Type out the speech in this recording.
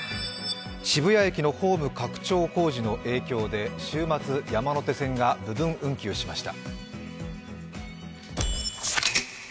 渋谷駅のホーム拡張工事の影響で週末、山手線が部分運休しました。